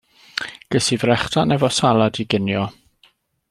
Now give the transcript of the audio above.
Ges i frechdan efo salad i ginio.